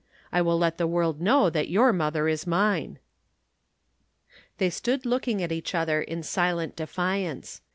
I will let the world know that your mother is mine." They stood looking at each other in silent defiance.